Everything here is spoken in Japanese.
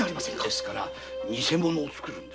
ですから偽者をつくるんですよ。